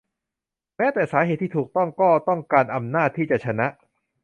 แม้แต่สาเหตุที่ถูกต้องก็ต้องการอำนาจที่จะชนะ